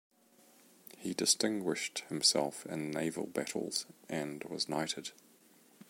He distinguished himself in naval battles, and was knighted.